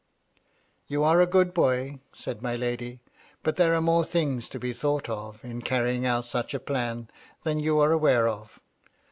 " You are a good boy," said my lady. " But there are more things to be thought of, in carrying out such a plan, than you are aware of.